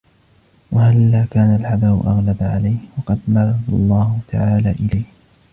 وَهَلَّا كَانَ الْحَذَرُ أَغْلَبَ عَلَيْهِ وَقَدْ نَدَبَ اللَّهُ تَعَالَى إلَيْهِ